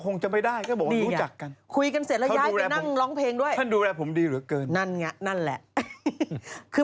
นัดนัดกันไปพี่เสกไม่ปรึกษาใครเลย